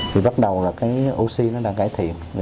thì bắt đầu là cái oxy nó đang cải thiện